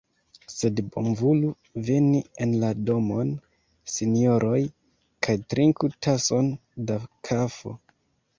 Sed bonvolu veni en la domon, sinjoroj, kaj trinku tason da kafo!